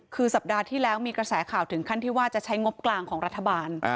คือสัปดาห์ที่แล้วมีกระแสข่าวถึงขั้นที่ว่าจะใช้งบกลางของรัฐบาล